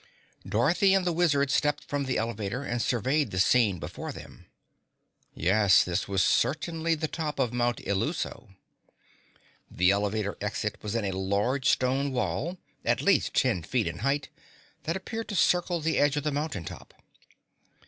Dorothy and the Wizard stepped from the elevator and surveyed the scene before them. Yes, this was certainly the top of Mount Illuso. The elevator exit was in a large stone wall, at least ten feet in height, that appeared to circle the edge of the mountain top.